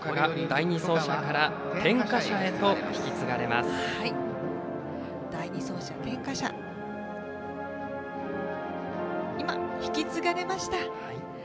第２走者から点火者へ今、引き継がれました。